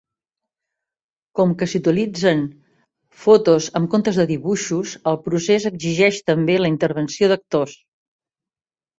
Com que s'utilitzen fotos en comptes de dibuixos, el procés exigeix també la intervenció d'actors.